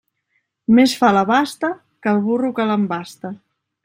Més fa la basta que el burro que l'embasta.